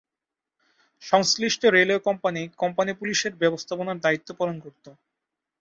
সংশ্লিষ্ট railway company ’company পুলিশে’র ব্যবস্থাপনার দায়িত্ব পালন করত।